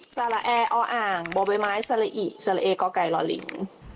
สะละแอออ่างโบเบม้ายสะละอิสะละเอก็กัยรอลิง